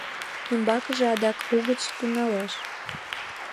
Умбакыже адак угыч тӱҥалеш.